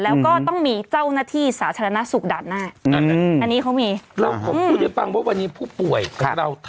แล้วก็ต้องมีเจ้าหน้าที่สาธารณสุขด่านหน้า